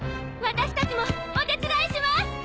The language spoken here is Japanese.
私たちもお手伝いします！